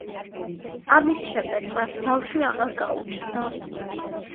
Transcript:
ამის შემდეგ მას ბავშვი აღარ გაუჩენია.